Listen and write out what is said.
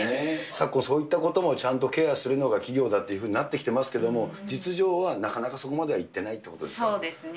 昨今、そういったこともちゃんとケアするのが企業だっていうふうになってきてますけども、実情は、なかなかそこまではいってないとそうですね。